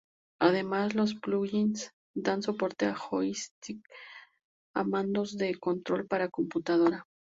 Además, los plugins dan soporte a joystick o mandos de control para computadora.